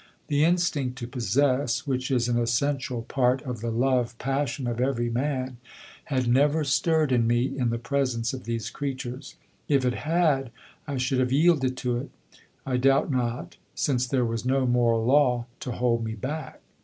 The instinct to possess, which is an essential part of the love passion of every man had never stirred in me in the presence of these creatures. If it had I should have yielded to it, I doubt not, since there was no moral law to hold me back.